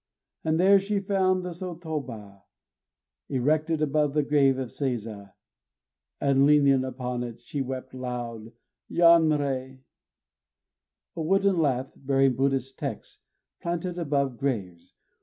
And there she found the sotoba erected above the grave of Seiza; and leaning upon it, she wept aloud. Yanrei! A wooden lath, bearing Buddhist texts, planted above graves.